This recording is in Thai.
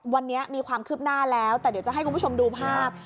วันนี้มีความคืบหน้าแล้วแต่เดี๋ยวจะให้คุณผู้ชมดูภาพ